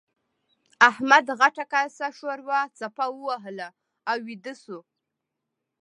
احمد غټه کاسه ښوروا څپه وهله او ويده شو.